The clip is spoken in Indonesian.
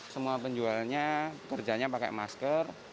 semua penjualnya kerjanya pakai masker